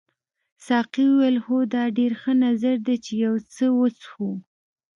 ساقي وویل هو دا ډېر ښه نظر دی چې یو څه وڅښو.